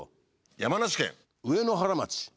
山梨県上野原町。